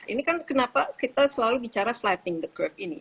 ini kan kenapa kita selalu bicara flighting the curve ini